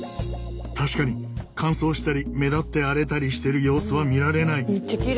確かに乾燥したり目立って荒れたりしてる様子は見られない。